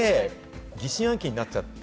疑心暗鬼になっちゃって。